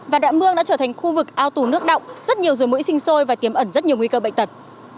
và đạm mương đã trở thành khu vực ao tù nước động rất nhiều rồi mũi sinh sôi và kiếm ẩn rất nhiều nguy cơ bệnh tật